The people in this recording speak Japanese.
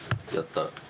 やったら。